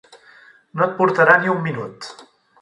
No et portarà ni un minut!